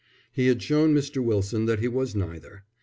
He had shown Mr. Wilson that he was neither.